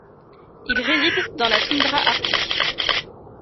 Il réside dans la toundra arctique.